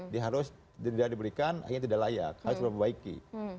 dia harus tidak diberikan hanya tidak layak harus membaiki